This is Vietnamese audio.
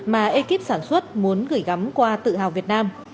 mà ekip sản xuất muốn gửi gắm qua tự hào việt nam